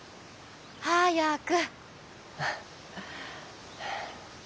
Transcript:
早く。